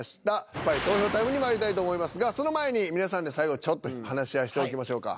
スパイ投票タイムにまいりたいと思いますがその前に皆さんで最後ちょっと話し合いしておきましょうか。